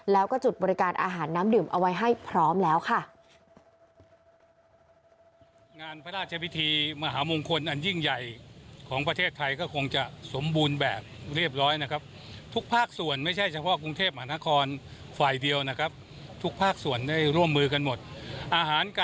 แล้วก็จุดบริการอาหารน้ำดื่มเอาไว้ให้พร้อมแล้วค่ะ